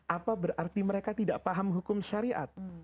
apa berarti mereka tidak paham hukum syariat